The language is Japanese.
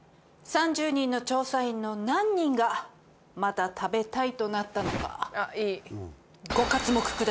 ３０人の調査員の何人が「また食べたい」となったのか。